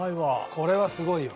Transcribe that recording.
これはすごいよ。